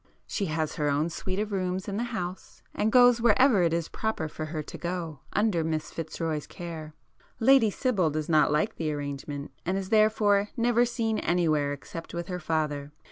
She has her own suite of rooms in the house, and goes wherever it is proper for her to go, under Miss Fitzroy's care. Lady Sibyl does not like the arrangement, and is therefore never seen anywhere except with her father.